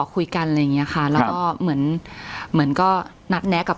คุยกันอะไรอย่างเงี้ยค่ะแล้วก็เหมือนเหมือนก็นัดแนะกับ